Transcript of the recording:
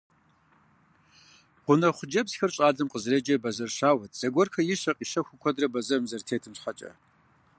Гъунэгъу хъыджэбзхэр щӀалэм къызэреджэр бэзэр щауэт, зыгуэрхэр ищэ-къищэхуу куэдрэ бэзэрым зэрытетым щхьэкӀэ.